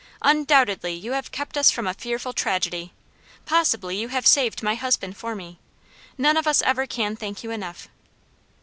Undoubtedly you have kept us from a fearful tragedy; possibly you have saved my husband for me. None of us ever can thank you enough."